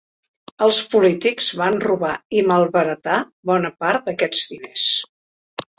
Els polítics van robar i malbaratar bona part d'aquests diners.